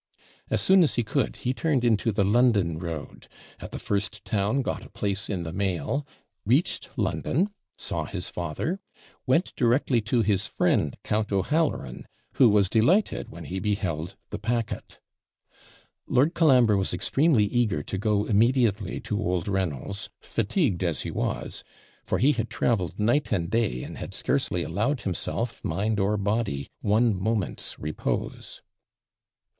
As soon as he could, he turned into the London road at the first town, got a place in the mail reached London saw his father went directly to his friend, Count O'Halloran, who was delighted when he beheld the packet. Lord Colambre was extremely eager to go immediately to old Reynolds, fatigued as he was; for he had travelled night and day, and had scarcely allowed himself, mind or body, one moment's repose.